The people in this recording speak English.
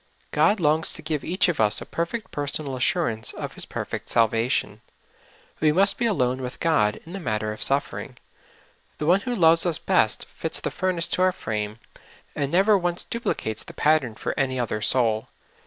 God longs to give each of us a perfect personal assurance of His per fect salvation. We must be alone with God in the matter of suffering. The One who loves us best fits the furnace to our frame, and never once duplicates the pattern for any other soul.